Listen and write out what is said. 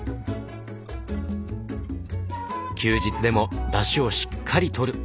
休日でもだしをしっかりとる。